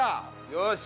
よし！